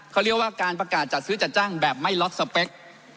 เขาเรียกว่าการประกาศจัดซื้อจัดจ้างแบบไม่ล็อตสเปค